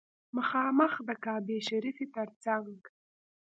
مخامخ د کعبې شریفې تر څنګ.